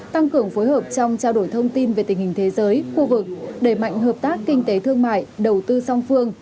tăng cường phối hợp trong trao đổi thông tin về tình hình thế giới khu vực đẩy mạnh hợp tác kinh tế thương mại đầu tư song phương